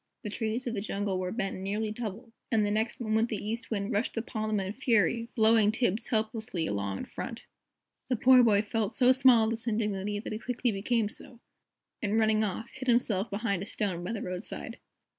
The trees of the jungle were bent nearly double, and the next moment the East Wind rushed upon them in a fury, blowing Tibbs helplessly along in front. The poor boy felt so small at this indignity, that he quickly became so, and running off, hid himself behind a stone by the roadside.